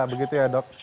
begitu ya dok